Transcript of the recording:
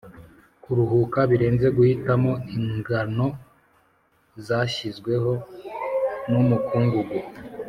'kuruhuka birenze guhitamo ingano zashyizweho n'umukungugu,